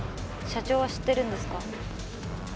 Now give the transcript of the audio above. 社長は知ってるんですか？